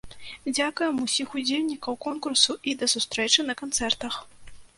Дзякуем усіх удзельнікаў конкурсу і да сустрэчы на канцэртах!